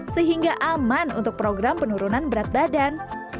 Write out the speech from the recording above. sehingga aman untuk program penurunan berat badan